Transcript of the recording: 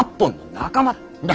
仲間？